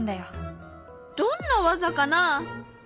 どんな技かな？